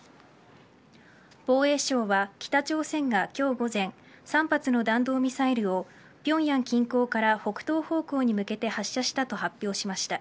防衛省は北朝鮮が今日午前３発の弾道ミサイルを平壌近郊から北東方向に向けて発射したと発表しました。